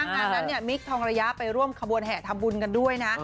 งานนั้นเนี่ยมิคทองระยะไปร่วมขบวนแห่ทำบุญกันด้วยนะ